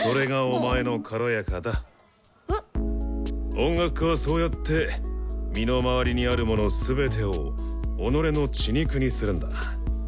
音楽家はそうやって身の回りにあるものすべてを己の血肉にするんだ。